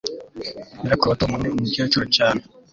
Nyirakuru wa Tom ni umukecuru cyane